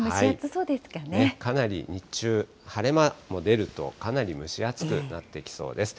かなり日中、晴れ間も出ると、かなり蒸し暑くなってきそうです。